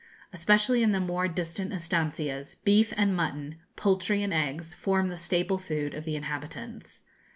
Especially in the more distant estancias, beef and mutton, poultry and eggs, form the staple food of the inhabitants.